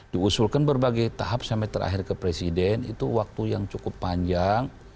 diusulkan berbagai tahap sampai terakhir ke presiden itu waktu yang cukup panjang